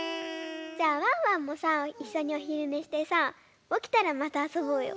じゃあワンワンもさいっしょにおひるねしてさおきたらまたあそぼうよ。